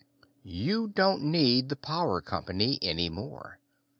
You don't need the power company any more.